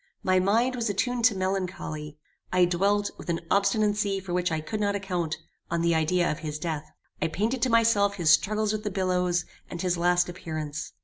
My mind was attuned to melancholy. I dwelt, with an obstinacy for which I could not account, on the idea of his death. I painted to myself his struggles with the billows, and his last appearance.